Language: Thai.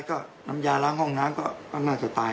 ก็น้ำยาล้างห้องน้ำก็น่าจะตาย